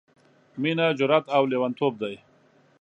— مينه جرات او لېوانتوب دی...